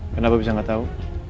kenapa bisa gak tau